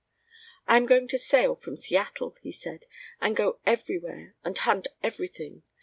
"I am going to sail from Seattle," he said, "and go everywhere and hunt everything.